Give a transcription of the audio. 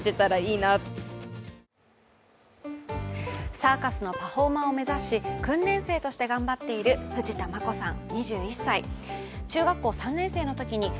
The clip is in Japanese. サーカスのパフォーマーを目指し訓練生として頑張っている藤田真子さん。